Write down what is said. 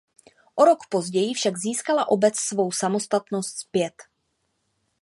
O rok později však získala obec svou samostatnost zpět.